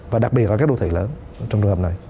và đặc biệt là các đô thị lớn trong trường hợp này